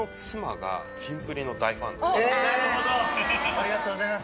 ありがとうございます。